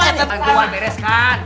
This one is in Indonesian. ane bantuan beres kan